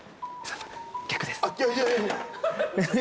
逆です。